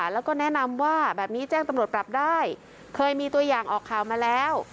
แล้วก็แนะนำว่าแบบนี้แจ้งตำรวจปรับได้เคยมีตัวอย่างออกข่าวมาแล้ว